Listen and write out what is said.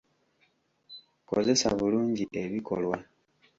Kozesa bulungi ebikolwa.